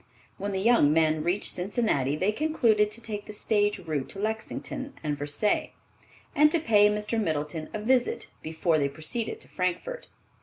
When the young men reached Cincinnati, they concluded to take the stage route to Lexington and Versailles, and to pay Mr. Middleton a visit before they proceeded to Frankfort.